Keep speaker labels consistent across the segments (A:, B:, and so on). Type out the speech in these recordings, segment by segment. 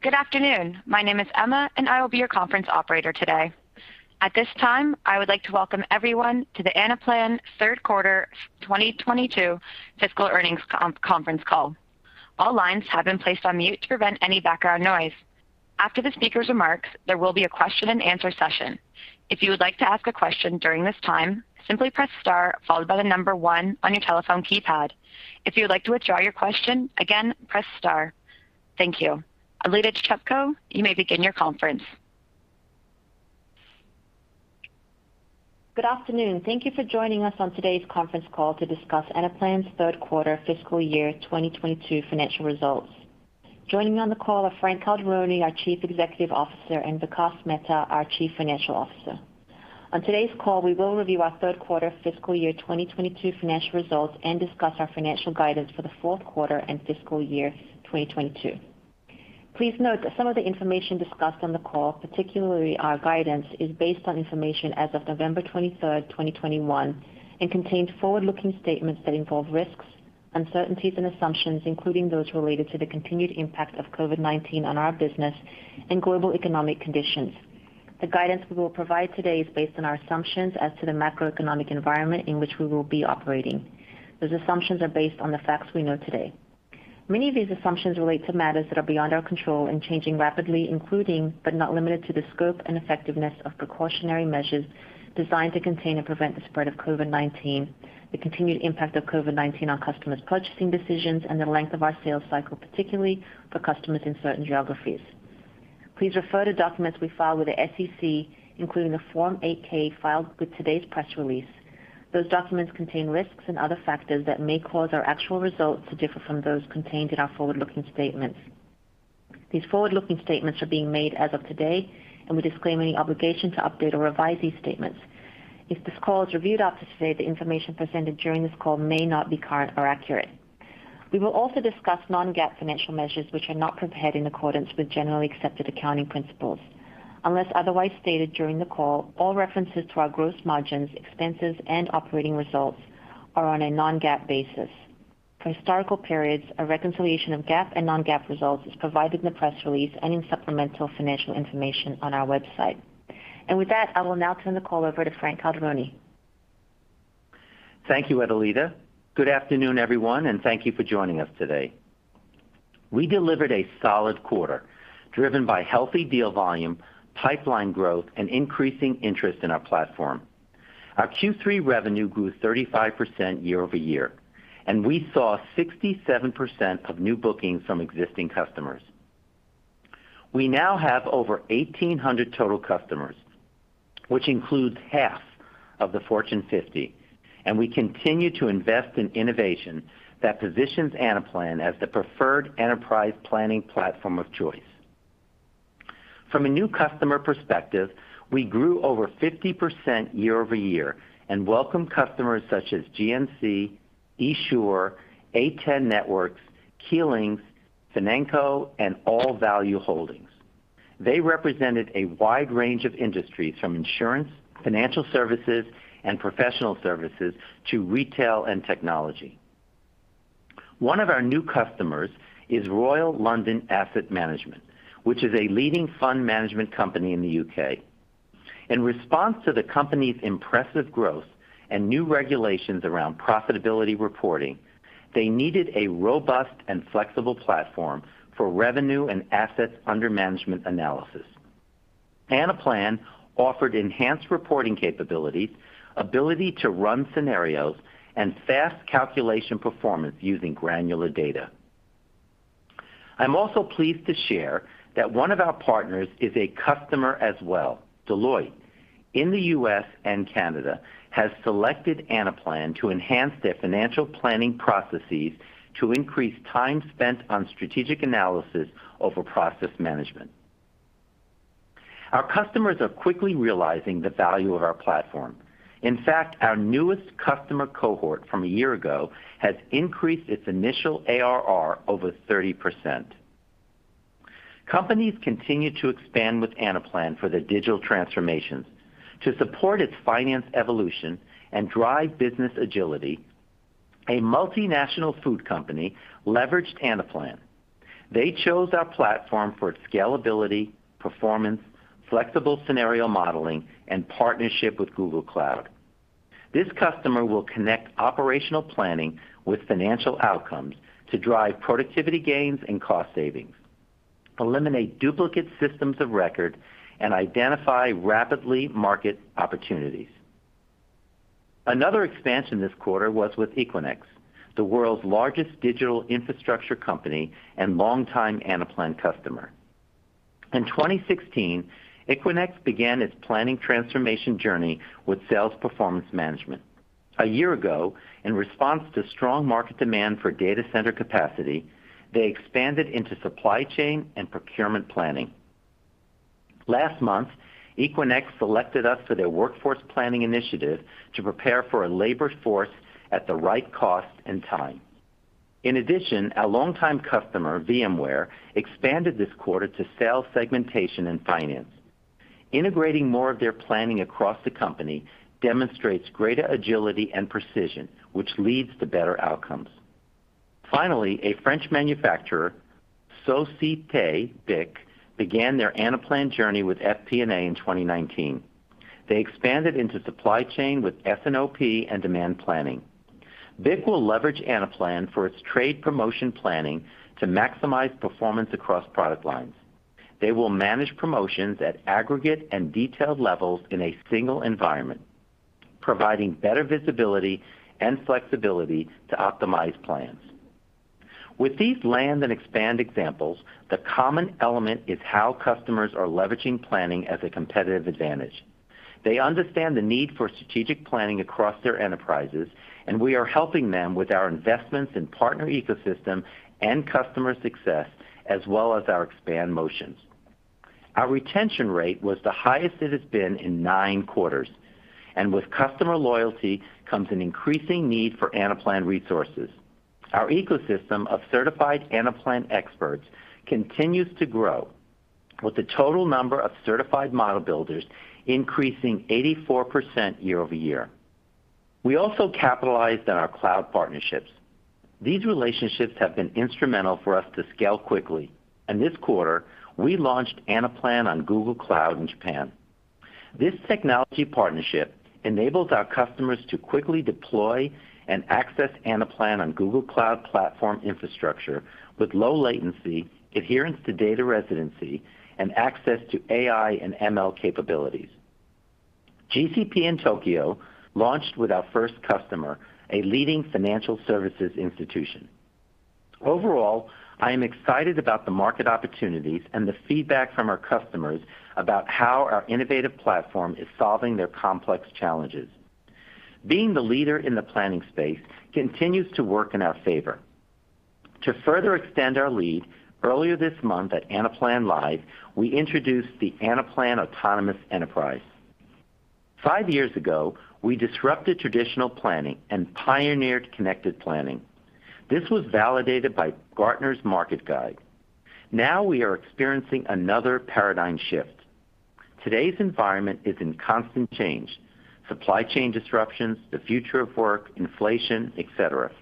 A: Good afternoon. My name is Emma, and I will be your conference operator today. At this time, I would like to welcome everyone to the Anaplan third quarter 2022 fiscal earnings conference call. All lines have been placed on mute to prevent any background noise. After the speaker's remarks, there will be a question and answer session. If you would like to ask a question during this time, simply press star followed by the number one on your telephone keypad. If you would like to withdraw your question, again, press star. Thank you. Edelita Tichepco, you may begin your conference.
B: Good afternoon. Thank you for joining us on today's conference call to discuss Anaplan's third quarter fiscal year 2022 financial results. Joining me on the call are Frank Calderoni, our Chief Executive Officer, and Vikas Mehta, our Chief Financial Officer. On today's call, we will review our third quarter fiscal year 2022 financial results and discuss our financial guidance for the fourth quarter and fiscal year 2022. Please note that some of the information discussed on the call, particularly our guidance, is based on information as of November 23, 2021, and contains forward-looking statements that involve risks, uncertainties, and assumptions, including those related to the continued impact of COVID-19 on our business and global economic conditions. The guidance we will provide today is based on our assumptions as to the macroeconomic environment in which we will be operating. Those assumptions are based on the facts we know today. Many of these assumptions relate to matters that are beyond our control and changing rapidly, including, but not limited to, the scope and effectiveness of precautionary measures designed to contain and prevent the spread of COVID-19, the continued impact of COVID-19 on customers' purchasing decisions, and the length of our sales cycle, particularly for customers in certain geographies. Please refer to documents we file with the SEC, including the Form 8-K filed with today's press release. Those documents contain risks and other factors that may cause our actual results to differ from those contained in our forward-looking statements. These forward-looking statements are being made as of today, and we disclaim any obligation to update or revise these statements. If this call is reviewed after today, the information presented during this call may not be current or accurate. We will also discuss non-GAAP financial measures which are not prepared in accordance with generally accepted accounting principles. Unless otherwise stated during the call, all references to our gross margins, expenses, and operating results are on a non-GAAP basis. For historical periods, a reconciliation of GAAP and non-GAAP results is provided in the press release and in supplemental financial information on our website. With that, I will now turn the call over to Frank Calderoni.
C: Thank you, Edelita. Good afternoon, everyone, and thank you for joining us today. We delivered a solid quarter driven by healthy deal volume, pipeline growth, and increasing interest in our platform. Our Q3 revenue grew 35% year-over-year, and we saw 67% of new bookings from existing customers. We now have over 1,800 total customers, which includes half of the Fortune 50, and we continue to invest in innovation that positions Anaplan as the preferred enterprise planning platform of choice. From a new customer perspective, we grew over 50% year-over-year and welcomed customers such as GNC, esure, A10 Networks, Keelings, Financo, and AllValue Holdings. They represented a wide range of industries from insurance, financial services, and professional services to retail and technology. One of our new customers is Royal London Asset Management, which is a leading fund management company in the U.K. In response to the company's impressive growth and new regulations around profitability reporting, they needed a robust and flexible platform for revenue and assets under management analysis. Anaplan offered enhanced reporting capabilities, ability to run scenarios, and fast calculation performance using granular data. I'm also pleased to share that one of our partners is a customer as well. Deloitte in the U.S. and Canada has selected Anaplan to enhance their financial planning processes to increase time spent on strategic analysis over process management. Our customers are quickly realizing the value of our platform. In fact, our newest customer cohort from a year ago has increased its initial ARR over 30%. Companies continue to expand with Anaplan for their digital transformations. To support its finance evolution and drive business agility, a multinational food company leveraged Anaplan. They chose our platform for its scalability, performance, flexible scenario modeling, and partnership with Google Cloud. This customer will connect operational planning with financial outcomes to drive productivity gains and cost savings, eliminate duplicate systems of record, and identify rapidly market opportunities. Another expansion this quarter was with Equinix, the world's largest digital infrastructure company and longtime Anaplan customer. In 2016, Equinix began its planning transformation journey with sales performance management. A year ago, in response to strong market demand for data center capacity, they expanded into supply chain and procurement planning. Last month, Equinix selected us for their workforce planning initiative to prepare for a labor force at the right cost and time. In addition, a longtime customer, VMware, expanded this quarter to sales segmentation and finance. Integrating more of their planning across the company demonstrates greater agility and precision, which leads to better outcomes. Finally, a French manufacturer, Société BIC, began their Anaplan journey with FP&A in 2019. They expanded into supply chain with S&OP and demand planning. BIC will leverage Anaplan for its trade promotion planning to maximize performance across product lines. They will manage promotions at aggregate and detailed levels in a single environment, providing better visibility and flexibility to optimize plans. With these land and expand examples, the common element is how customers are leveraging planning as a competitive advantage. They understand the need for strategic planning across their enterprises, and we are helping them with our investments in partner ecosystem and customer success, as well as our expand motions. Our retention rate was the highest it has been in nine quarters, and with customer loyalty comes an increasing need for Anaplan resources. Our ecosystem of certified Anaplan experts continues to grow, with the total number of certified model builders increasing 84% year-over-year. We also capitalized on our cloud partnerships. These relationships have been instrumental for us to scale quickly. This quarter, we launched Anaplan on Google Cloud in Japan. This technology partnership enables our customers to quickly deploy and access Anaplan on Google Cloud platform infrastructure with low latency, adherence to data residency, and access to AI and ML capabilities. GCP in Tokyo launched with our first customer, a leading financial services institution. Overall, I am excited about the market opportunities and the feedback from our customers about how our innovative platform is solving their complex challenges. Being the leader in the planning space continues to work in our favor. To further extend our lead, earlier this month at Anaplan Live, we introduced the Anaplan Autonomous Enterprise. Five years ago, we disrupted traditional planning and pioneered Connected Planning. This was validated by Gartner's Market Guide. Now we are experiencing another paradigm shift. Today's environment is in constant change, supply chain disruptions, the future of work, inflation, et cetera.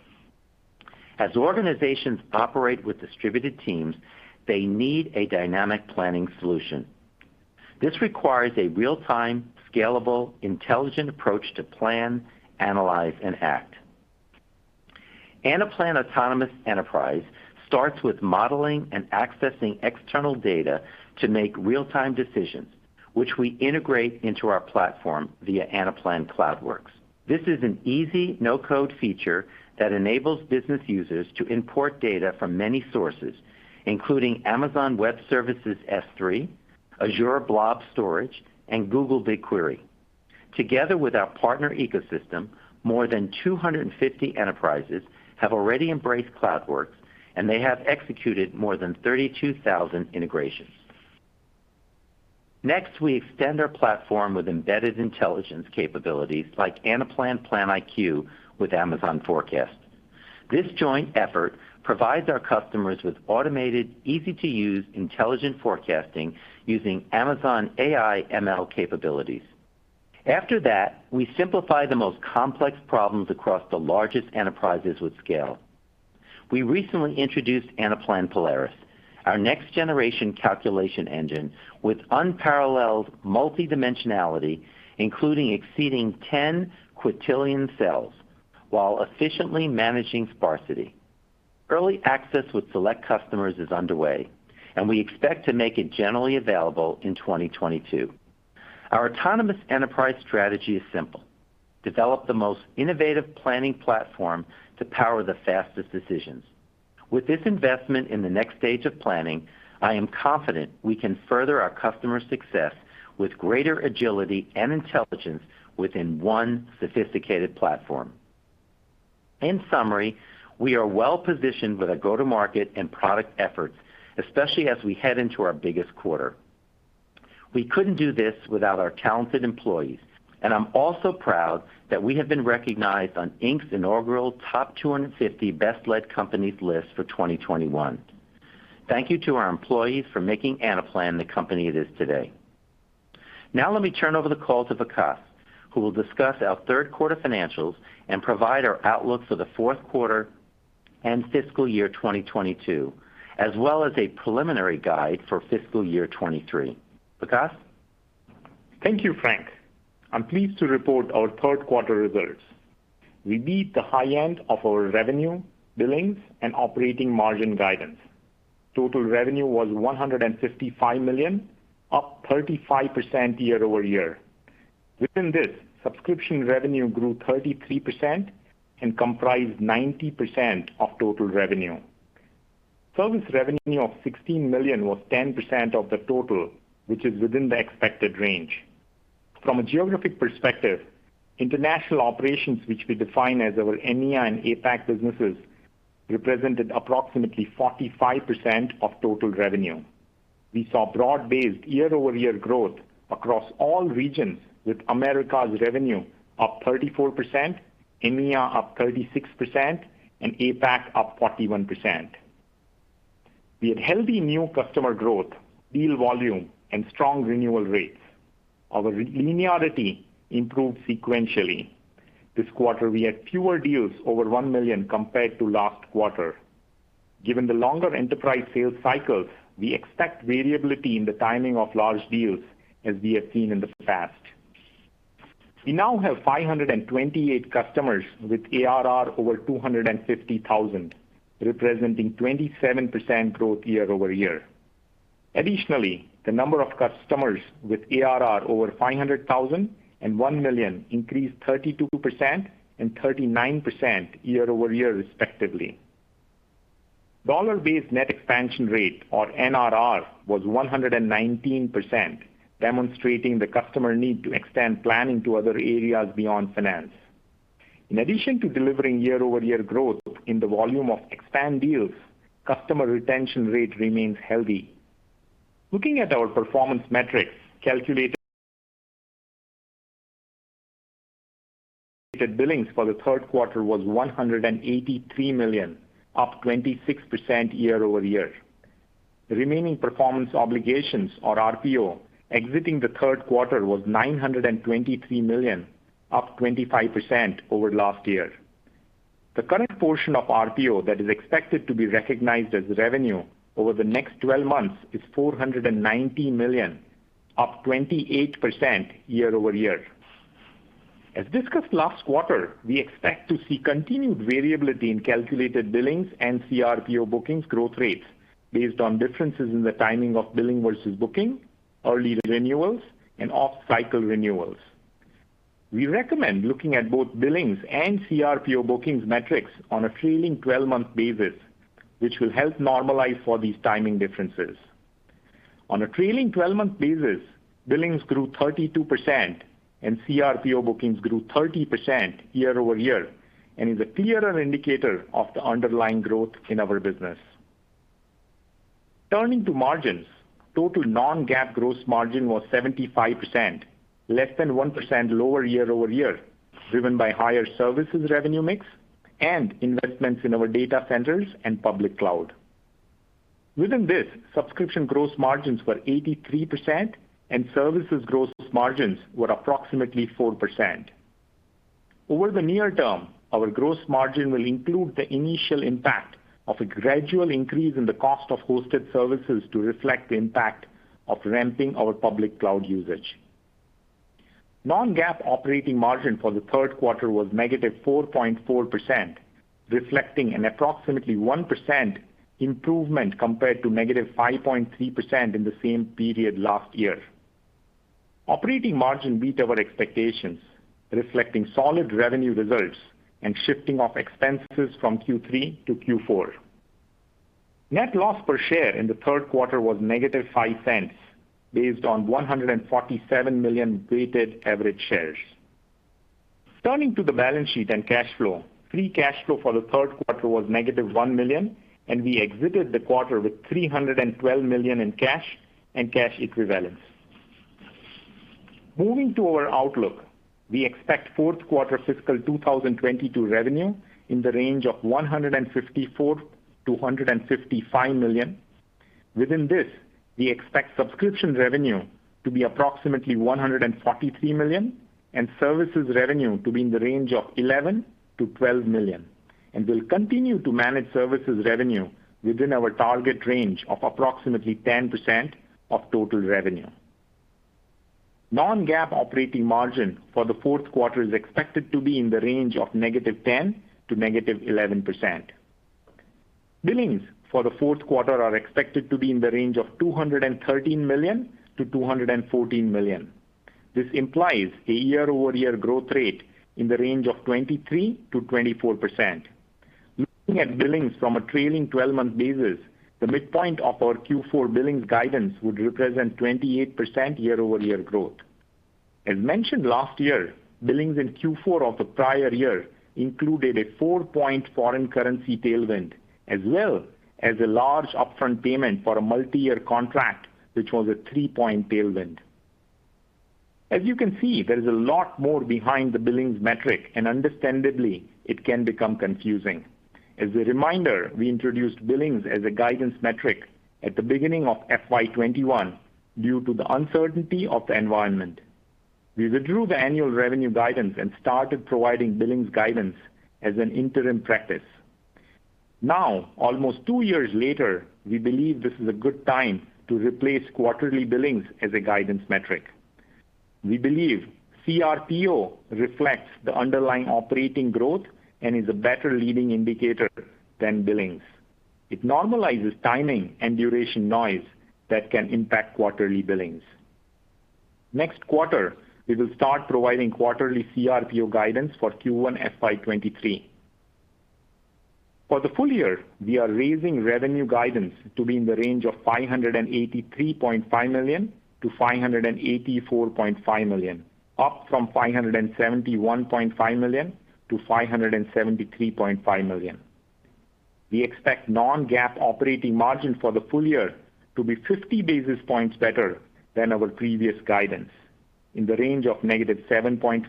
C: As organizations operate with distributed teams, they need a dynamic planning solution. This requires a real-time, scalable, intelligent approach to plan, analyze, and act. Anaplan Autonomous Enterprise starts with modeling and accessing external data to make real-time decisions, which we integrate into our platform via Anaplan CloudWorks. This is an easy, no-code feature that enables business users to import data from many sources, including Amazon Web Services S3, Azure Blob Storage, and Google BigQuery. Together with our partner ecosystem, more than 250 enterprises have already embraced Anaplan CloudWorks, and they have executed more than 32,000 integrations. Next, we extend our platform with embedded intelligence capabilities like Anaplan PlanIQ with Amazon Forecast. This joint effort provides our customers with automated, easy-to-use, intelligent forecasting using Amazon AI and ML capabilities. After that, we simplify the most complex problems across the largest enterprises with scale. We recently introduced Anaplan Polaris, our next generation calculation engine with unparalleled multidimensionality, including exceeding 10 quintillion cells, while efficiently managing sparsity. Early access with select customers is underway, and we expect to make it generally available in 2022. Our autonomous enterprise strategy is simple. Develop the most innovative planning platform to power the fastest decisions. With this investment in the next stage of planning, I am confident we can further our customer success with greater agility and intelligence within one sophisticated platform. In summary, we are well positioned with our go-to-market and product efforts, especially as we head into our biggest quarter. We couldn't do this without our talented employees, and I'm also proud that we have been recognized on Inc.'s inaugural Top 250 Best-Led Companies list for 2021. Thank you to our employees for making Anaplan the company it is today. Now let me turn over the call to Vikas Mehta, who will discuss our third quarter financials and provide our outlook for the fourth quarter and fiscal year 2022, as well as a preliminary guide for fiscal year 2023. Vikas Mehta?
D: Thank you, Frank. I'm pleased to report our third quarter results. We beat the high end of our revenue, billings, and operating margin guidance. Total revenue was $155 million, up 35% year-over-year. Within this, subscription revenue grew 33% and comprised 90% of total revenue. Service revenue of $16 million was 10% of the total, which is within the expected range. From a geographic perspective, international operations, which we define as our EMEA and APAC businesses, represented approximately 45% of total revenue. We saw broad-based year-over-year growth across all regions, with Americas revenue up 34%, EMEA up 36%, and APAC up 41%. We had healthy new customer growth, deal volume, and strong renewal rates. Our linearity improved sequentially. This quarter, we had fewer deals over $1 million compared to last quarter. Given the longer enterprise sales cycles, we expect variability in the timing of large deals as we have seen in the past. We now have 528 customers with ARR over $250,000, representing 27% growth year-over-year. Additionally, the number of customers with ARR over $500,000 and $1 million increased 32% and 39% year-over-year respectively. Dollar-based net expansion rate or NRR was 119%, demonstrating the customer need to extend planning to other areas beyond finance. In addition to delivering year-over-year growth in the volume of expand deals, customer retention rate remains healthy. Looking at our performance metrics, calculated billings for the third quarter was $183 million, up 26% year-over-year. Remaining performance obligations or RPO exiting the third quarter was $923 million, up 25% over last year. The current portion of RPO that is expected to be recognized as revenue over the next 12 months is $490 million, up 28% year-over-year. As discussed last quarter, we expect to see continued variability in calculated billings and CRPO bookings growth rates based on differences in the timing of billing versus booking, early renewals, and off-cycle renewals. We recommend looking at both billings and CRPO bookings metrics on a trailing 12-month basis, which will help normalize for these timing differences. On a trailing 12-month basis, billings grew 32% and CRPO bookings grew 30% year-over-year, and is a clearer indicator of the underlying growth in our business. Turning to margins, total non-GAAP gross margin was 75%, less than 1% lower year-over-year, driven by higher services revenue mix and investments in our data centers and public cloud. Within this, subscription gross margins were 83% and services gross margins were approximately 4%. Over the near term, our gross margin will include the initial impact of a gradual increase in the cost of hosted services to reflect the impact of ramping our public cloud usage. Non-GAAP operating margin for the third quarter was negative 4.4%, reflecting an approximately 1% improvement compared to negative 5.3% in the same period last year. Operating margin beat our expectations, reflecting solid revenue results and shifting of expenses from Q3 to Q4. Net loss per share in the third quarter was -$0.05, based on 147 million weighted average shares. Turning to the balance sheet and cash flow. Free cash flow for the third quarter was -$1 million, and we exited the quarter with $312 million in cash and cash equivalents. Moving to our outlook, we expect fourth quarter fiscal 2022 revenue in the range of $154 million-$155 million. Within this, we expect subscription revenue to be approximately $143 million and services revenue to be in the range of $11 million-$12 million. We'll continue to manage services revenue within our target range of approximately 10% of total revenue. Non-GAAP operating margin for the fourth quarter is expected to be in the range of -10%- -11%. Billings for the fourth quarter are expected to be in the range of $213 million-$214 million. This implies a year-over-year growth rate in the range of 23%-24%. Looking at billings from a trailing twelve-month basis, the midpoint of our Q4 billings guidance would represent 28% year-over-year growth. As mentioned last year, billings in Q4 of the prior year included a four-point foreign currency tailwind, as well as a large upfront payment for a multi-year contract, which was a three-point tailwind. As you can see, there is a lot more behind the billings metric, and understandably, it can become confusing. As a reminder, we introduced billings as a guidance metric at the beginning of FY 2021 due to the uncertainty of the environment. We withdrew the annual revenue guidance and started providing billings guidance as an interim practice. Now, almost two years later, we believe this is a good time to replace quarterly billings as a guidance metric. We believe CRPO reflects the underlying operating growth and is a better leading indicator than billings. It normalizes timing and duration noise that can impact quarterly billings. Next quarter, we will start providing quarterly CRPO guidance for Q1 FY 2023. For the full year, we are raising revenue guidance to be in the range of $583.5 million-$584.5 million, up from $571.5 million-$573.5 million. We expect non-GAAP operating margin for the full year to be 50 basis points better than our previous guidance. In the range of -7.5%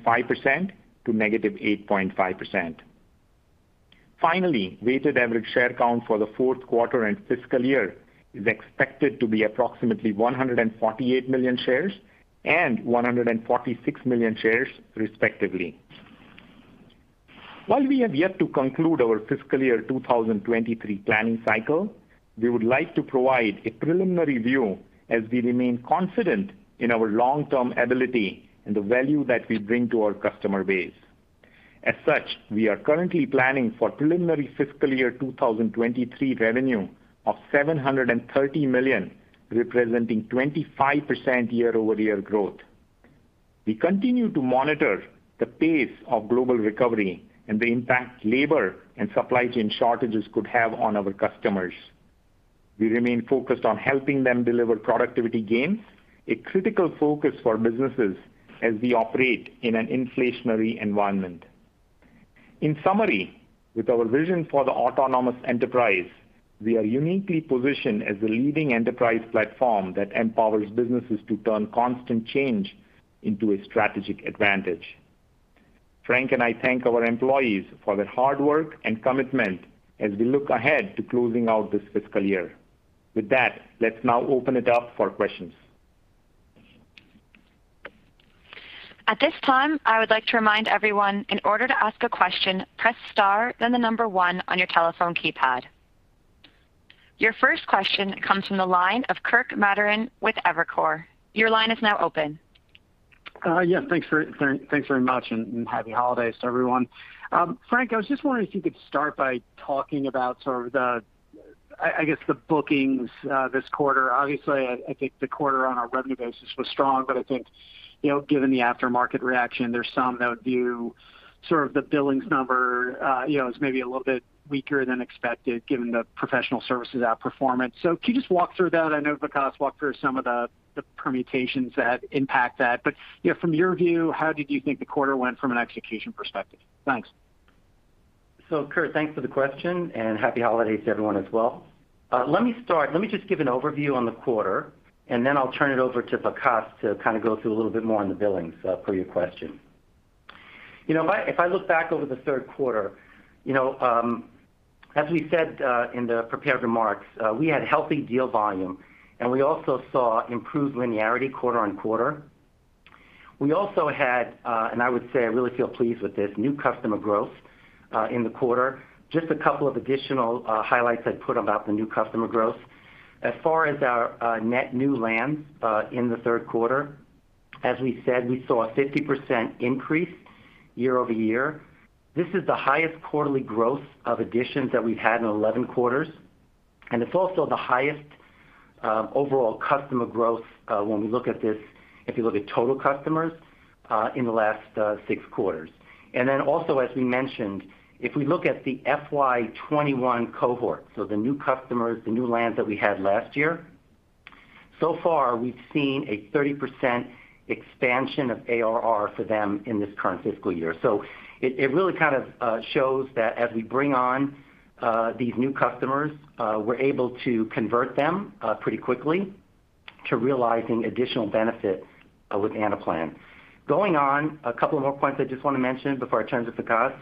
D: to -8.5%. Finally, weighted average share count for the fourth quarter and fiscal year is expected to be approximately 148 million shares and 146 million shares, respectively. While we have yet to conclude our fiscal year 2023 planning cycle, we would like to provide a preliminary view as we remain confident in our long-term ability and the value that we bring to our customer base. As such, we are currently planning for preliminary fiscal year 2023 revenue of $730 million, representing 25% year-over-year growth. We continue to monitor the pace of global recovery and the impact labor and supply chain shortages could have on our customers. We remain focused on helping them deliver productivity gains, a critical focus for businesses as we operate in an inflationary environment. In summary, with our vision for the Autonomous Enterprise, we are uniquely positioned as a leading enterprise platform that empowers businesses to turn constant change into a strategic advantage. Frank and I thank our employees for their hard work and commitment as we look ahead to closing out this fiscal year. With that, let's now open it up for questions.
A: At this time, I would like to remind everyone, in order to ask a question, press star then the number one on your telephone keypad. Your first question comes from the line of Kirk Materne with Evercore. Your line is now open.
E: Yeah, thanks very much and Happy Holidays to everyone. Frank, I was just wondering if you could start by talking about sort of the, I guess, the bookings this quarter. Obviously, I think the quarter on our revenue basis was strong, but I think, you know, given the aftermarket reaction, there's some that view sort of the billings number, you know, as maybe a little bit weaker than expected given the professional services outperformance. Can you just walk through that? I know Vikas walked through some of the permutations that impact that. You know, from your view, how did you think the quarter went from an execution perspective? Thanks.
C: Kirk, thanks for the question, and Happy Holidays to everyone as well. Let me just give an overview on the quarter, and then I'll turn it over to Vikas to kind of go through a little bit more on the billings per your question. You know, if I look back over the third quarter, you know, as we said in the prepared remarks, we had healthy deal volume, and we also saw improved linearity quarter-over-quarter. We also had, and I would say I really feel pleased with this, new customer growth in the quarter. Just a couple of additional highlights I'd put about the new customer growth. As far as our net new lands in the third quarter, as we said, we saw a 50% increase year-over-year. This is the highest quarterly growth of additions that we've had in 11 quarters, and it's also the highest overall customer growth when we look at this, if you look at total customers in the last six quarters. Then also, as we mentioned, if we look at the FY 2021 cohort, so the new customers, the new lands that we had last year, so far we've seen a 30% expansion of ARR for them in this current fiscal year. It really kind of shows that as we bring on these new customers, we're able to convert them pretty quickly to realizing additional benefit with Anaplan. Going on, a couple more points I just wanna mention before I turn to Vikas.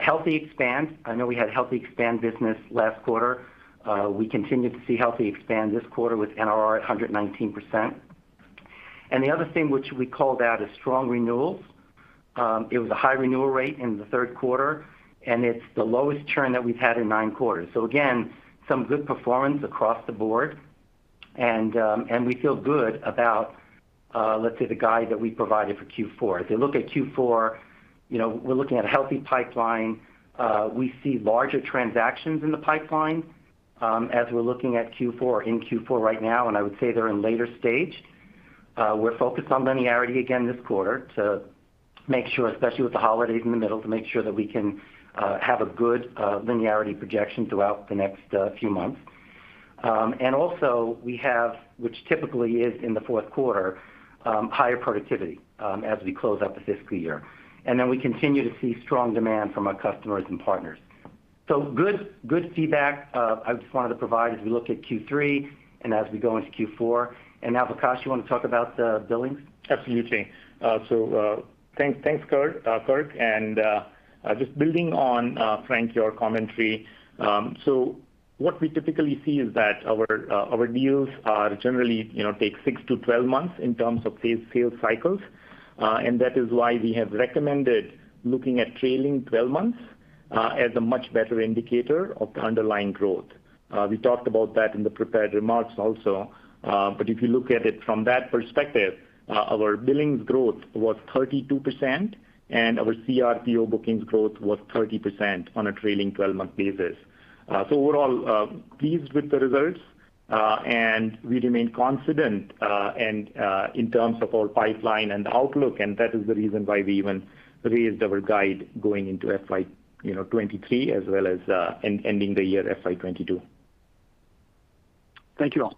C: Healthy expansion. I know we had healthy expansion business last quarter. We continued to see healthy expansion this quarter with NRR at 119%. The other thing which we called out is strong renewals. It was a high renewal rate in the third quarter, and it's the lowest churn that we've had in 9 quarters. Some good performance across the board. We feel good about the guidance that we provided for Q4. If you look at Q4, you know, we're looking at a healthy pipeline. We see larger transactions in the pipeline as we're looking at Q4 right now, and I would say they're in later stage. We're focused on linearity again this quarter to make sure, especially with the holidays in the middle, that we can have a good linearity projection throughout the next few months. Also we have, which typically is in the fourth quarter, higher productivity as we close out the fiscal year. We continue to see strong demand from our customers and partners. Good feedback, I just wanted to provide as we look at Q3 and as we go into Q4. Now, Vikas, you wanna talk about the billings?
D: Absolutely. So, thanks, Kirk. Just building on, Frank, your commentary. So what we typically see is that our deals are generally, you know, take six-12 months in terms of sales cycles. That is why we have recommended looking at trailing twelve months as a much better indicator of the underlying growth. We talked about that in the prepared remarks also. If you look at it from that perspective, our billings growth was 32%, and our CRPO bookings growth was 30% on a trailing twelve-month basis. Overall, pleased with the results, and we remain confident and in terms of our pipeline and outlook, and that is the reason why we even raised our guide going into FY 2023 as well as ending the year FY 2022. Thank you all.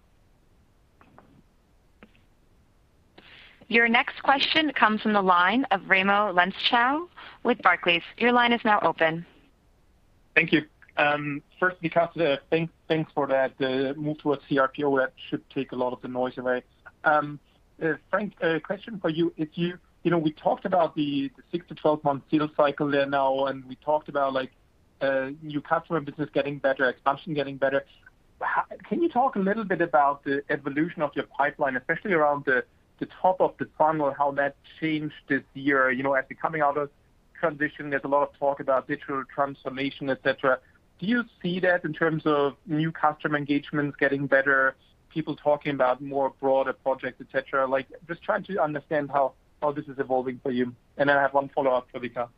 A: Your next question comes from the line of Raimo Lenschow with Barclays. Your line is now open.
F: Thank you. First, Vikas, thanks for that. The move towards CRPO, that should take a lot of the noise away. Frank, a question for you. You know, we talked about the six to 12-month deal cycle there now, and we talked about, like, new customer business getting better, expansion getting better. How can you talk a little bit about the evolution of your pipeline, especially around the top of the funnel, how that changed this year? You know, as we're coming out of transition, there's a lot of talk about digital transformation, et cetera. Do you see that in terms of new customer engagements getting better, people talking about more broader projects, et cetera? Like, just trying to understand how this is evolving for you. I have one follow-up for Vikas.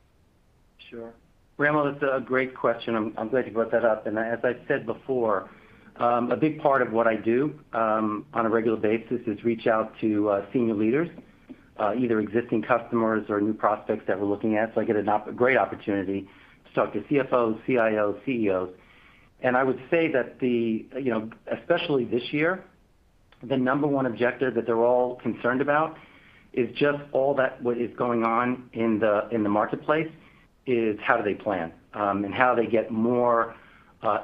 C: Sure. Raimo, that's a great question. I'm glad you brought that up. As I said before, a big part of what I do on a regular basis is reach out to senior leaders, either existing customers or new prospects that we're looking at. I get a great opportunity to talk to CFOs, CIOs, CEOs. I would say that, you know, especially this year, the number one objective that they're all concerned about is just all about what is going on in the marketplace, is how do they plan and how they get more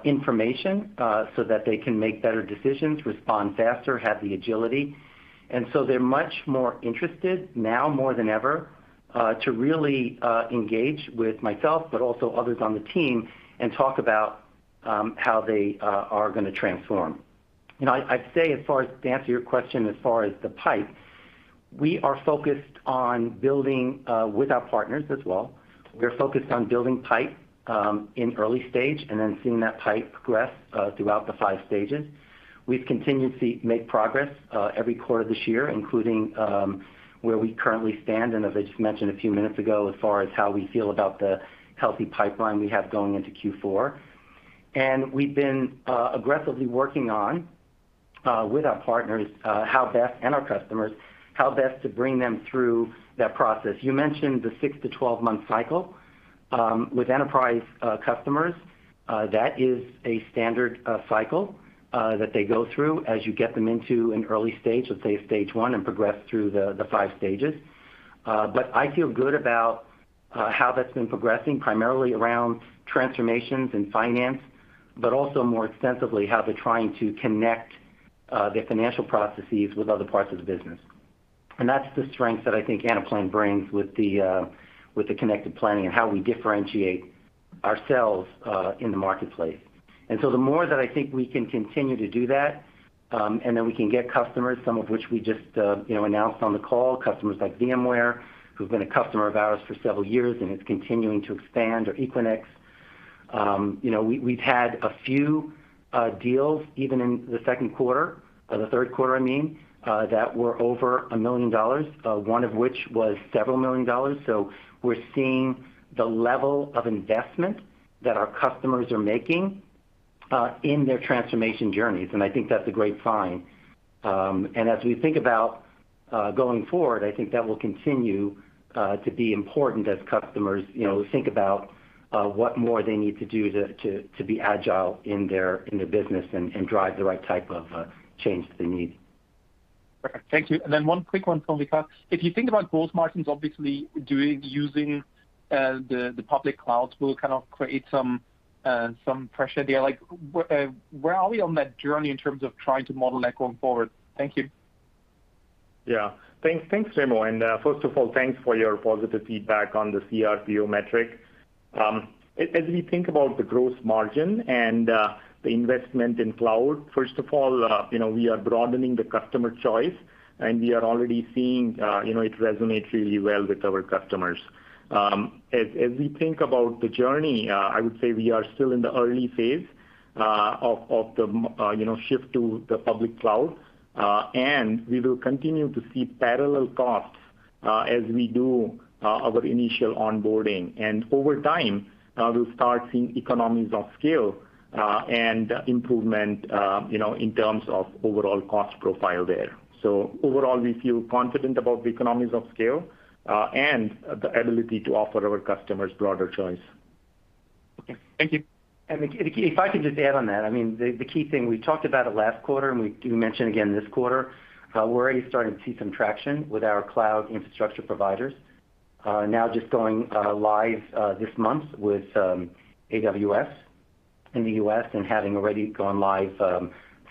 C: information so that they can make better decisions, respond faster, have the agility. They're much more interested now more than ever to really engage with myself, but also others on the team and talk about how they are gonna transform. You know, I'd say as far as, to answer your question, as far as the pipe, we are focused on building with our partners as well. We're focused on building pipe in early stage and then seeing that pipe progress throughout the 5 stages. We've continued to make progress every quarter this year, including where we currently stand. As I just mentioned a few minutes ago, as far as how we feel about the healthy pipeline we have going into Q4. We've been aggressively working on with our partners how best, and our customers, how best to bring them through that process. You mentioned the 6-12-month cycle. With enterprise customers, that is a standard cycle that they go through as you get them into an early stage, let's say stage 1, and progress through the 5 stages. I feel good about how that's been progressing, primarily around transformations in finance, but also more extensively how they're trying to connect their financial processes with other parts of the business. That's the strength that I think Anaplan brings with the Connected Planning and how we differentiate ourselves in the marketplace. The more that I think we can continue to do that, and then we can get customers, some of which we just, you know, announced on the call, customers like VMware, who've been a customer of ours for several years and is continuing to expand, or Equinix. You know, we've had a few deals even in the second quarter, or the third quarter, I mean, that were over $1 million, one of which was several million dollars. We're seeing the level of investment that our customers are making in their transformation journeys, and I think that's a great sign. As we think about going forward, I think that will continue to be important as customers, you know, think about what more they need to do to be agile in their business and drive the right type of change that they need.
F: Okay. Thank you. One quick one for Vikas. If you think about gross margins, obviously using the public clouds will kind of create some pressure there. Like, where are we on that journey in terms of trying to model that going forward? Thank you.
D: Yeah. Thanks, Raimo. First of all, thanks for your positive feedback on the CRPO metric. As we think about the gross margin and the investment in cloud, first of all, you know, we are broadening the customer choice, and we are already seeing, you know, it resonates really well with our customers. As we think about the journey, I would say we are still in the early phase of the shift to the public cloud. We will continue to see parallel costs as we do our initial onboarding. Over time, we'll start seeing economies of scale and improvement, you know, in terms of overall cost profile there. Overall, we feel confident about the economies of scale, and the ability to offer our customers broader choice.
F: Okay. Thank you.
C: If I could just add on that, I mean, the key thing, we talked about it last quarter, and we mentioned again this quarter, we're already starting to see some traction with our cloud infrastructure providers. Now just going live this month with AWS in the U.S. and having already gone live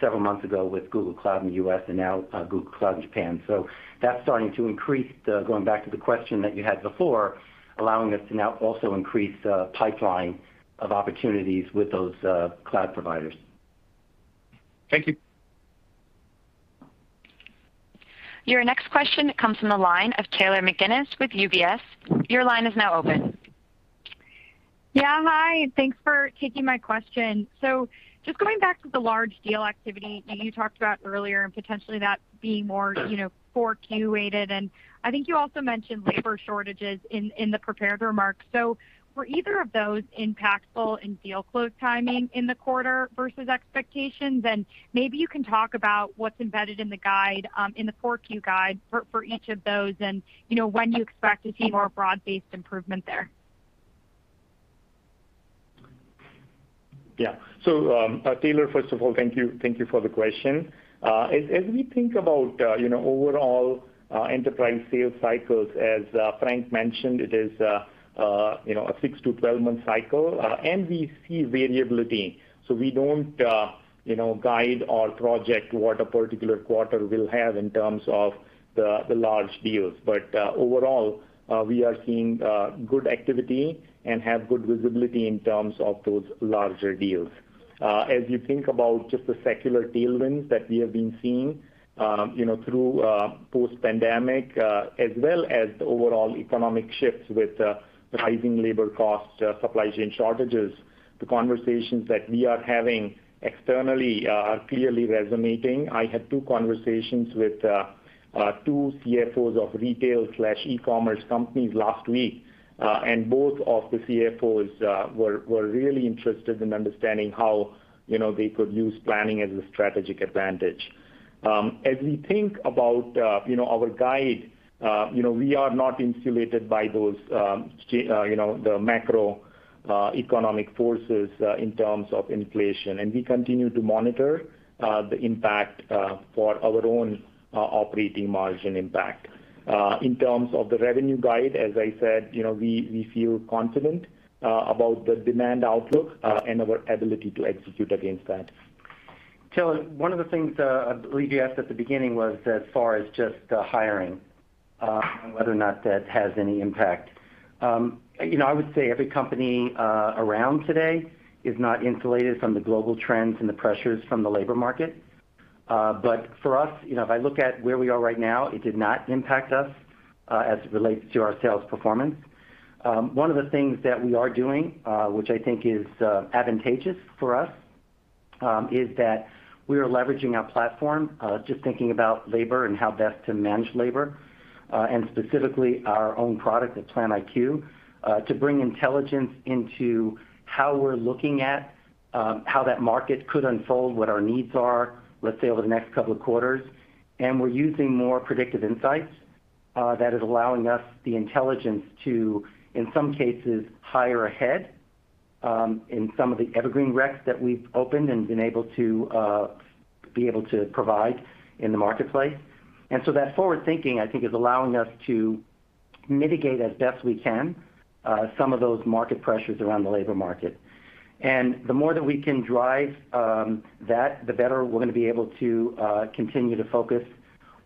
C: several months ago with Google Cloud in the U.S. and now Google Cloud in Japan. That's starting to increase, going back to the question that you had before, allowing us to now also increase the pipeline of opportunities with those cloud providers.
F: Thank you.
A: Your next question comes from the line of Taylor McGinnis with UBS. Your line is now open.
G: Yeah. Hi. Thanks for taking my question. Just going back to the large deal activity that you talked about earlier and potentially that being more, you know, 4Q-weighted, and I think you also mentioned labor shortages in the prepared remarks. Were either of those impactful in deal close timing in the quarter versus expectations? Maybe you can talk about what's embedded in the guide, in the 4Q guide for each of those and, you know, when you expect to see more broad-based improvement there.
D: Yeah. Taylor, first of all, thank you for the question. As we think about, you know, overall enterprise sales cycles, as Frank mentioned, it is, you know, a six-12-month cycle. We see variability, so we don't, you know, guide or project what a particular quarter will have in terms of the large deals. Overall, we are seeing good activity and have good visibility in terms of those larger deals. As you think about just the secular tailwinds that we have been seeing, you know, through post-pandemic, as well as the overall economic shifts with rising labor costs, supply chain shortages. The conversations that we are having externally are clearly resonating. I had two conversations with two CFOs of retail/e-commerce companies last week, and both of the CFOs were really interested in understanding how, you know, they could use planning as a strategic advantage. As we think about, you know, our guide, you know, we are not insulated by those, you know, the macroeconomic forces, in terms of inflation. We continue to monitor the impact for our own operating margin impact. In terms of the revenue guide, as I said, you know, we feel confident about the demand outlook and our ability to execute against that.
C: Taylor, one of the things I believe you asked at the beginning was as far as just hiring and whether or not that has any impact. You know, I would say every company around today is not insulated from the global trends and the pressures from the labor market. For us, you know, if I look at where we are right now, it did not impact us as it relates to our sales performance. One of the things that we are doing, which I think is advantageous for us, is that we are leveraging our platform, just thinking about labor and how best to manage labor, and specifically our own product at PlanIQ, to bring intelligence into how we're looking at, how that market could unfold, what our needs are, let's say, over the next couple of quarters. We're using more predictive insights, that is allowing us the intelligence to, in some cases, hire ahead, in some of the evergreen recs that we've opened and been able to provide in the marketplace. That forward-thinking, I think, is allowing us to mitigate as best we can, some of those market pressures around the labor market. The more that we can drive that, the better we're gonna be able to continue to focus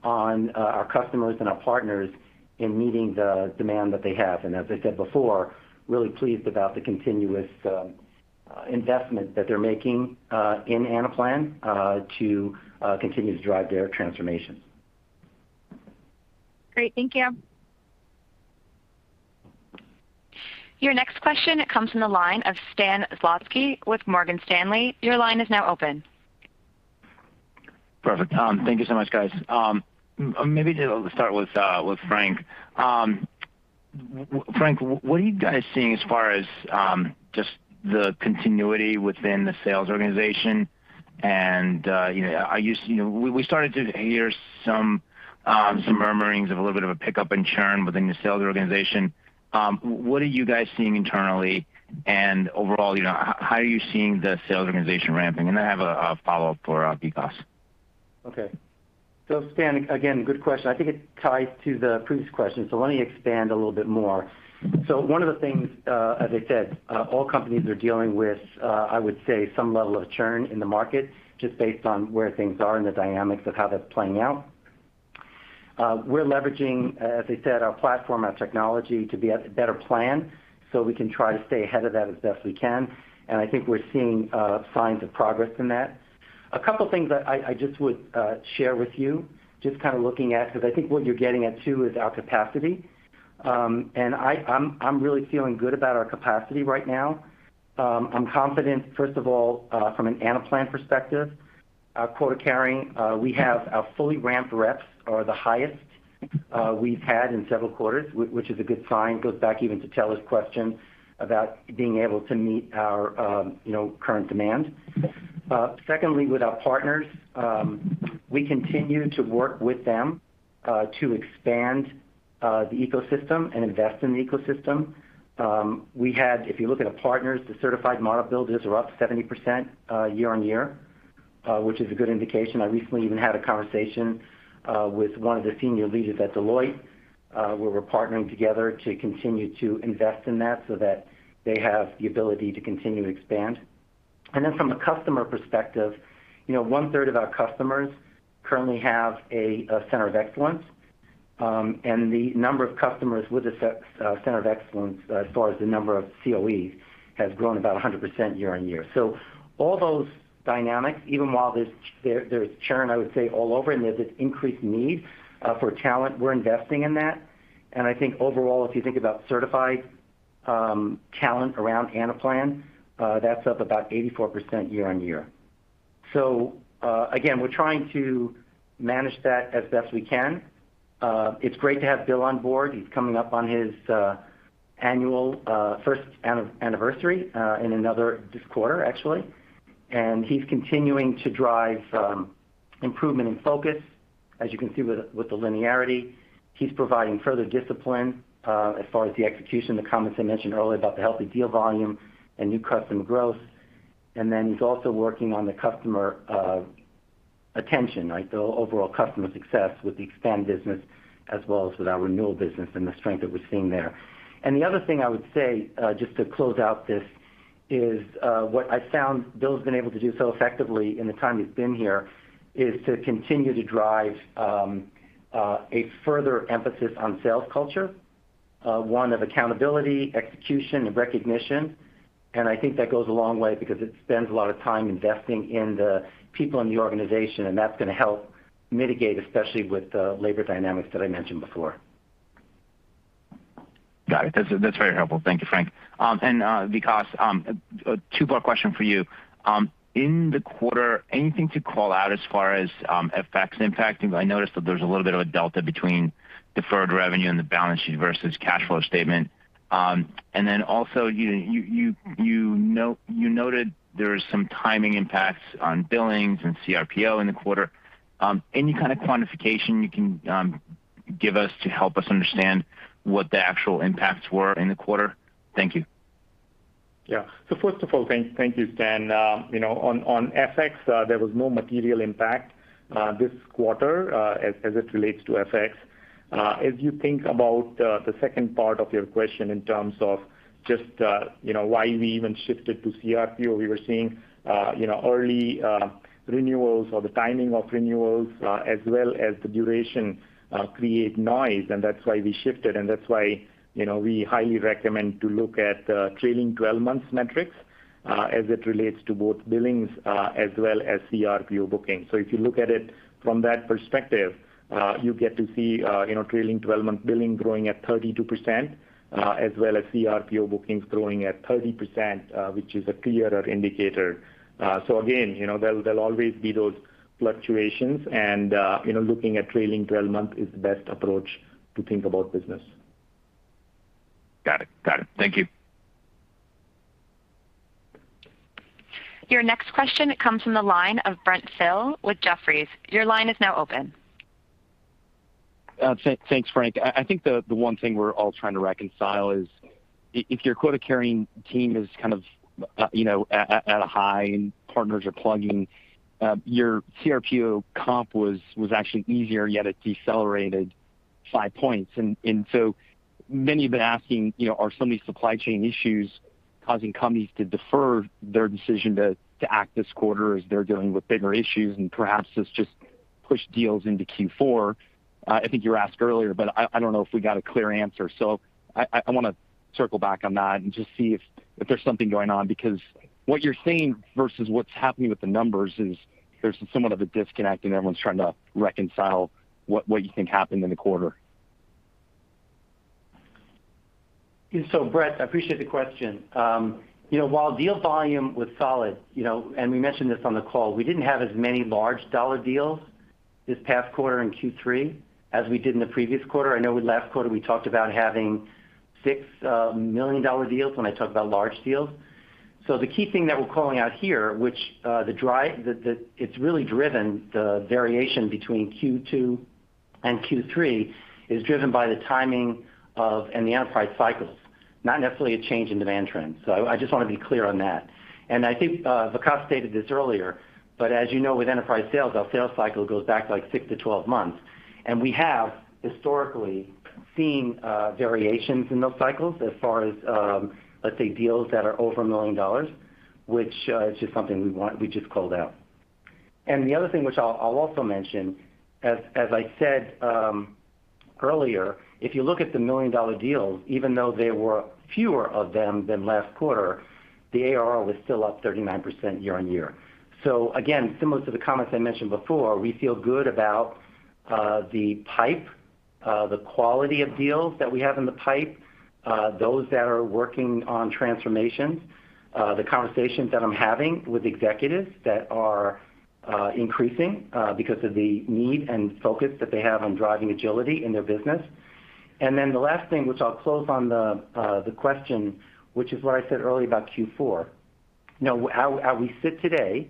C: on our customers and our partners in meeting the demand that they have. As I said before, I'm really pleased about the continuous investment that they're making in Anaplan to continue to drive their transformation.
A: Great. Thank you. Your next question comes from the line of Stan Zlotsky with Morgan Stanley. Your line is now open.
H: Perfect. Thank you so much, guys. Maybe to start with Frank. Frank, what are you guys seeing as far as just the continuity within the sales organization? You know, we started to hear some murmurings of a little bit of a pickup in churn within the sales organization. What are you guys seeing internally? Overall, you know, how are you seeing the sales organization ramping? I have a follow-up for Vikas.
C: Okay. Stan, again, good question. I think it ties to the previous question, so let me expand a little bit more. One of the things, as I said, all companies are dealing with, I would say, some level of churn in the market, just based on where things are and the dynamics of how that's playing out. We're leveraging, as I said, our platform, our technology to be at a better plan, so we can try to stay ahead of that as best we can. I think we're seeing, signs of progress in that. A couple things I just would, share with you, just kinda looking at, 'cause I think what you're getting at too is our capacity. I'm really feeling good about our capacity right now. I'm confident, first of all, from an Anaplan perspective. Our quota carrying, we have our fully ramped reps are the highest we've had in several quarters, which is a good sign. Goes back even to Taylor's question about being able to meet our, you know, current demand. Secondly, with our partners, we continue to work with them to expand the ecosystem and invest in the ecosystem. We had, if you look at our partners, the certified model builders are up 70%, year-over-year, which is a good indication. I recently even had a conversation with one of the senior leaders at Deloitte, where we're partnering together to continue to invest in that so that they have the ability to continue to expand. Then from a customer perspective, you know, one-third of our customers currently have a center of excellence. The number of customers with a center of excellence, as far as the number of COEs, has grown about 100% year-over-year. All those dynamics, even while there's churn, I would say, all over, and there's this increased need for talent, we're investing in that. I think overall, if you think about certified talent around Anaplan, that's up about 84% year-over-year. Again, we're trying to manage that as best we can. It's great to have Bill on board. He's coming up on his annual first anniversary this quarter, actually. He's continuing to drive improvement in focus, as you can see with the linearity. He's providing further discipline, as far as the execution, the comments I mentioned earlier about the healthy deal volume and new customer growth. He's also working on the customer retention, right? The overall customer success with the expansion business as well as with our renewal business and the strength that we're seeing there. The other thing I would say, just to close out this is, what I found Bill's been able to do so effectively in the time he's been here is to continue to drive, a further emphasis on sales culture, one of accountability, execution, and recognition. I think that goes a long way because it spends a lot of time investing in the people in the organization, and that's gonna help mitigate, especially with the labor dynamics that I mentioned before.
H: Got it. That's very helpful. Thank you, Frank. Vikas, two more question for you. In the quarter, anything to call out as far as effects impacting? I noticed that there's a little bit of a delta between deferred revenue and the balance sheet versus cash flow statement. You noted there is some timing impacts on billings and CRPO in the quarter. Any kind of quantification you can give us to help us understand what the actual impacts were in the quarter? Thank you.
D: First of all, thank you, Stan. You know, on FX, there was no material impact this quarter as it relates to FX. As you think about the second part of your question in terms of just you know why we even shifted to CRPO, we were seeing you know early renewals or the timing of renewals as well as the duration create noise, and that's why we shifted. That's why you know we highly recommend to look at trailing twelve months metrics as it relates to both billings as well as CRPO bookings. If you look at it from that perspective, you get to see, you know, trailing twelve-month billing growing at 32%, as well as CRPO bookings growing at 30%, which is a clearer indicator. So again, you know, there'll always be those fluctuations and, you know, looking at trailing twelve-month is the best approach to think about business.
H: Got it. Thank you.
A: Your next question comes from the line of Brent Thill with Jefferies. Your line is now open.
I: Thanks, Frank. I think the one thing we're all trying to reconcile is if your quota-carrying team is kind of, you know, at a high and partners are plugging, your CRPO comp was actually easier, yet it decelerated 5 points. So many have been asking, you know, are some of these supply chain issues causing companies to defer their decision to act this quarter as they're dealing with bigger issues, and perhaps it's just pushed deals into Q4? I think you were asked earlier, but I don't know if we got a clear answer. I wanna circle back on that and just see if there's something going on because what you're saying versus what's happening with the numbers is there's somewhat of a disconnect, and everyone's trying to reconcile what you think happened in the quarter.
C: Brent, I appreciate the question. You know, while deal volume was solid, you know, and we mentioned this on the call, we didn't have as many large-dollar deals this past quarter in Q3 as we did in the previous quarter. I know with last quarter, we talked about having six $1 million deals when I talk about large deals. The key thing that we're calling out here, it's really the variation between Q2 and Q3 is driven by the timing of the enterprise cycles, not necessarily a change in demand trends. I just wanna be clear on that. I think Vikas stated this earlier, but as you know, with enterprise sales, our sales cycle goes back like six to 12 months. We have historically seen variations in those cycles as far as, let's say, deals that are over $1 million, which is just something we just called out. The other thing which I'll also mention, as I said earlier, if you look at the million-dollar deals, even though there were fewer of them than last quarter, the ARR was still up 39% year-over-year. Again, similar to the comments I mentioned before, we feel good about the pipe, the quality of deals that we have in the pipe, those that are working on transformations, the conversations that I'm having with executives that are increasing, because of the need and focus that they have on driving agility in their business. Then the last thing, which I'll close on the question, which is what I said earlier about Q4. You know, how we sit today,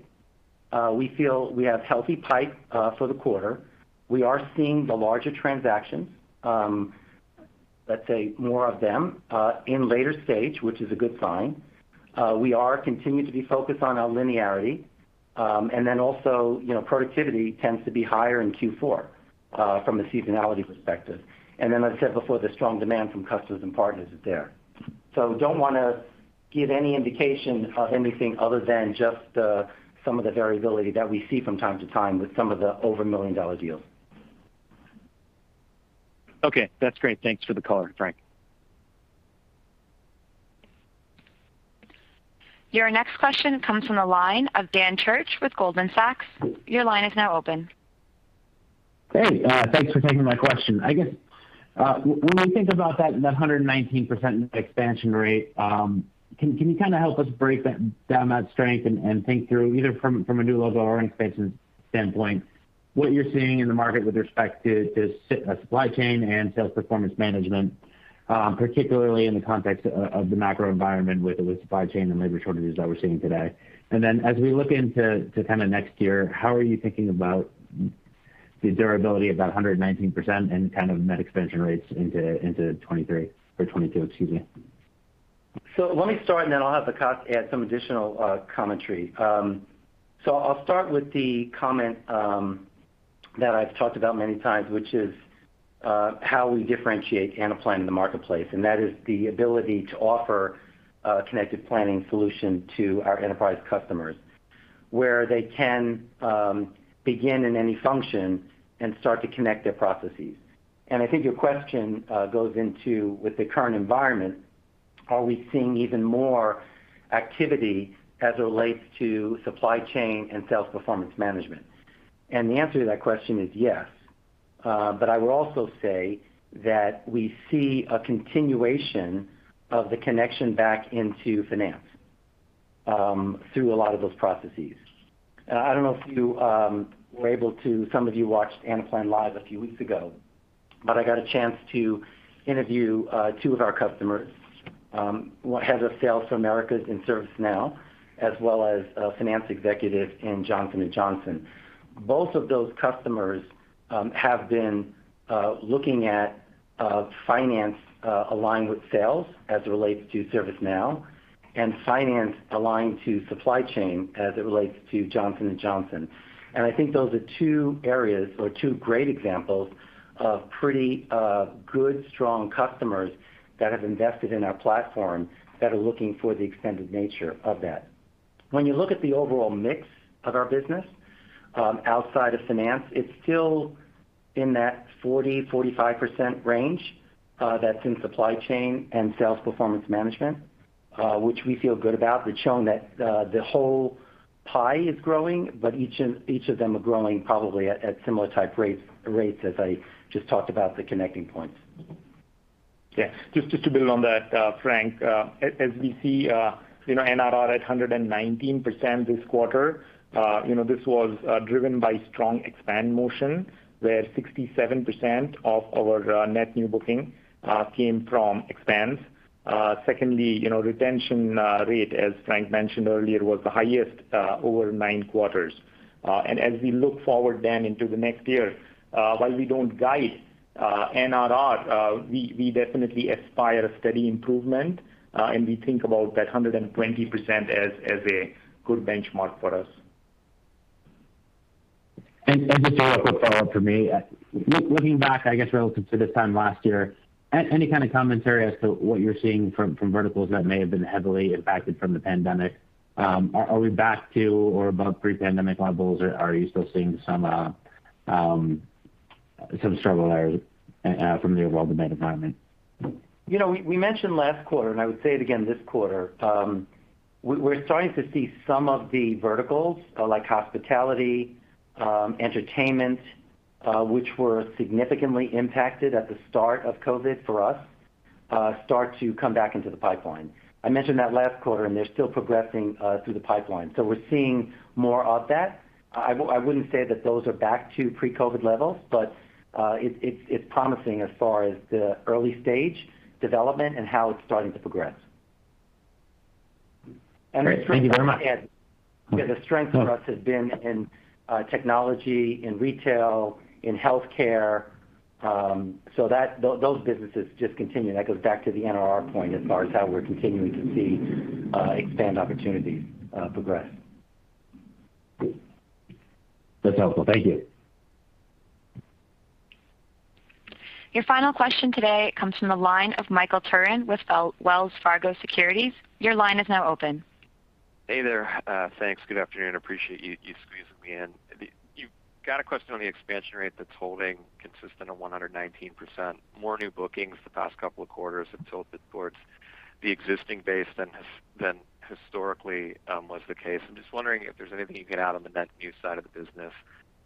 C: we feel we have healthy pipe for the quarter. We are seeing the larger transactions, let's say more of them, in later stage, which is a good sign. We are continuing to be focused on our linearity. Then also, you know, productivity tends to be higher in Q4 from a seasonality perspective. Then as I said before, the strong demand from customers and partners is there. Don't wanna give any indication of anything other than just some of the variability that we see from time to time with some of the over million-dollar deals.
I: Okay. That's great. Thanks for the color, Frank.
A: Your next question comes from the line of Dan Church with Goldman Sachs. Your line is now open.
J: Great. Thanks for taking my question. I guess, when we think about that 119% expansion rate, can you kinda help us break that down, that strength and think through either from a new logo or expansion standpoint? What you're seeing in the market with respect to supply chain and sales performance management, particularly in the context of the macro environment with supply chain and labor shortages that we're seeing today. As we look into next year, how are you thinking about the durability of that 119% and kind of net expansion rates into 2022, excuse me?
C: Let me start, and then I'll have Vikas add some additional commentary. I'll start with the comment that I've talked about many times, which is how we differentiate Anaplan in the marketplace, and that is the ability to offer a Connected Planning solution to our enterprise customers, where they can begin in any function and start to connect their processes. I think your question goes into with the current environment, are we seeing even more activity as it relates to supply chain and sales performance management. The answer to that question is yes. I will also say that we see a continuation of the connection back into finance through a lot of those processes. I don't know if you were able to. Some of you watched Anaplan Live! A few weeks ago, but I got a chance to interview two of our customers, one head of sales for Americas in ServiceNow, as well as a finance executive in Johnson & Johnson. Both of those customers have been looking at finance aligned with sales as it relates to ServiceNow and finance aligned to supply chain as it relates to Johnson & Johnson. I think those are two areas or two great examples of pretty good strong customers that have invested in our platform that are looking for the extended nature of that. When you look at the overall mix of our business, outside of finance, it's still in that 40%-45% range that's in supply chain and sales performance management, which we feel good about. It's showing that the whole pie is growing, but each of them are growing probably at similar type rates as I just talked about the connecting points.
D: Just to build on that, Frank, as we see, you know, NRR at 119% this quarter, you know, this was driven by strong expansion, where 67% of our net new bookings came from expands. Secondly, you know, retention rate, as Frank mentioned earlier, was the highest over nine quarters. As we look forward into the next year, while we don't guide NRR, we definitely aspire to a steady improvement, and we think about that 120% as a good benchmark for us.
J: Just a quick follow-up from me. Looking back, I guess, relative to this time last year, any kind of commentary as to what you're seeing from verticals that may have been heavily impacted from the pandemic? Are we back to or above pre-pandemic levels, or are you still seeing some struggle or from the overall demand environment?
C: You know, we mentioned last quarter, and I would say it again this quarter. We're starting to see some of the verticals, like hospitality, entertainment, which were significantly impacted at the start of COVID for us, start to come back into the pipeline. I mentioned that last quarter, and they're still progressing through the pipeline. We're seeing more of that. I wouldn't say that those are back to pre-COVID levels, but it's promising as far as the early stage development and how it's starting to progress.
J: Great. Thank you very much.
C: The strength, yeah. Yeah, the strength for us has been in technology, in retail, in healthcare. Those businesses just continue. That goes back to the NRR point as far as how we're continuing to see expand opportunities, progress.
J: That's helpful. Thank you.
A: Your final question today comes from the line of Michael Turrin with Wells Fargo Securities. Your line is now open.
K: Hey there. Thanks. Good afternoon. Appreciate you squeezing me in. You've got a question on the expansion rate that's holding consistent on 119%. More new bookings the past couple of quarters have tilted towards the existing base than historically was the case. I'm just wondering if there's anything you can add on the net new side of the business.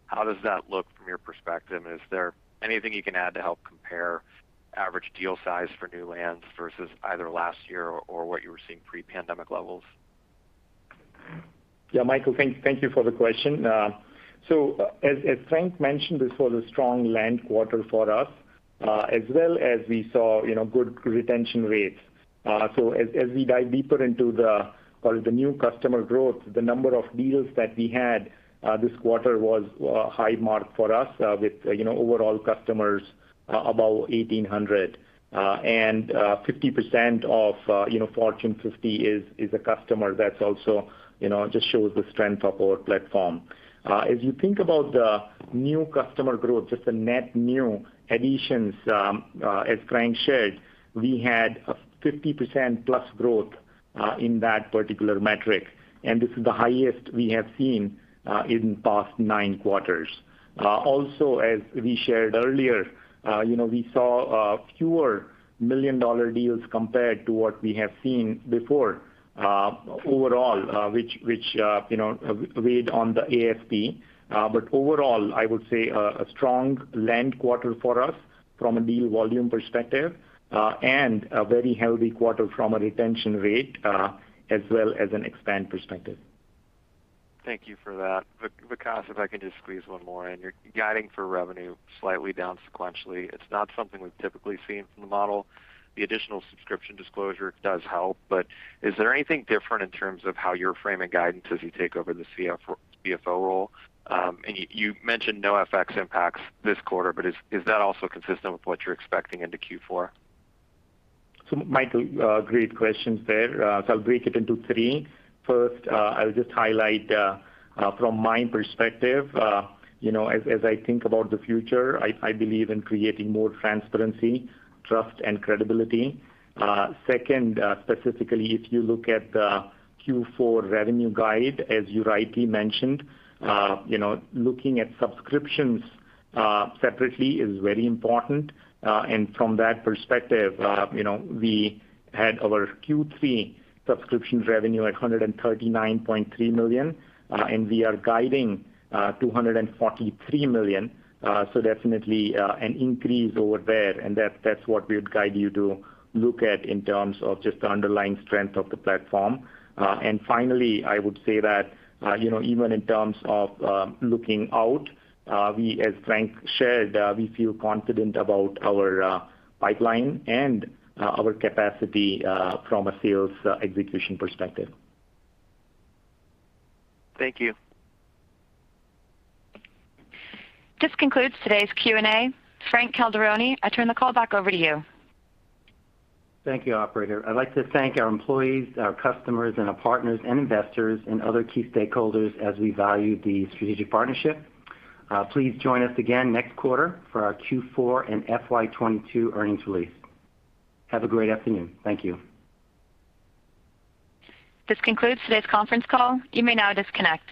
K: How does that look from your perspective? Is there anything you can add to help compare average deal size for new lands versus either last year or what you were seeing pre-pandemic levels?
D: Yeah, Michael, thank you for the question. As Frank mentioned, this was a strong land-and-expand quarter for us, as well as we saw, you know, good retention rates. As we dive deeper into the, call it, the new customer growth, the number of deals that we had this quarter was high mark for us, with, you know, overall customers about 1,800. 50% of, you know, Fortune 50 is a customer that's also, you know, just shows the strength of our platform. As you think about the new customer growth, just the net new additions, as Frank shared, we had a 50%+ growth in that particular metric, and this is the highest we have seen in past nine quarters. As we shared earlier, you know, we saw fewer million-dollar deals compared to what we have seen before, overall, which you know weighed on the ASP. Overall, I would say a strong land quarter for us from a deal volume perspective, and a very healthy quarter from a retention rate as well as an expand perspective.
K: Thank you for that. Vikas, if I could just squeeze one more in. You're guiding for revenue slightly down sequentially. It's not something we've typically seen from the model. The additional subscription disclosure does help, but is there anything different in terms of how you're framing guidance as you take over the CFO role? You mentioned no FX impacts this quarter, but is that also consistent with what you're expecting into Q4?
D: Michael, great questions there. I'll break it into three. First, I'll just highlight from my perspective, you know, as I think about the future, I believe in creating more transparency, trust, and credibility. Second, specifically, if you look at the Q4 revenue guide, as you rightly mentioned, you know, looking at subscriptions separately is very important. From that perspective, you know, we had our Q3 subscription revenue at $139.3 million, and we are guiding $243 million, so definitely an increase over there. That's what we would guide you to look at in terms of just the underlying strength of the platform. Finally, I would say that, you know, even in terms of looking out, as Frank shared, we feel confident about our pipeline and our capacity from a sales execution perspective.
K: Thank you.
A: This concludes today's Q&A. Frank Calderoni, I turn the call back over to you.
C: Thank you, operator. I'd like to thank our employees, our customers, and our partners and investors and other key stakeholders as we value the strategic partnership. Please join us again next quarter for our Q4 and FY 2022 earnings release. Have a great afternoon. Thank you.
A: This concludes today's conference call. You may now disconnect.